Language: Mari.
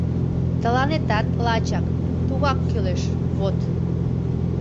Тыланетат лачак, тугак кӱлеш, вот!..